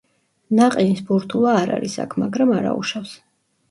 ნაყინის ბურთულა არ არის აქ, მაგრამ არაუშავს.